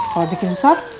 kalau bikin sob